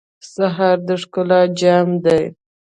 سهار د ښکلا جام دی.